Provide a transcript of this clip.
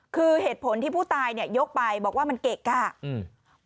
คือเหตุผลที่ผู้ตายเนี่ยยกไปบอกว่ามันเกะกะอืม